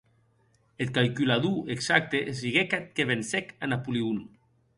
Eth calculador exacte siguec eth que vencec a Napoleon.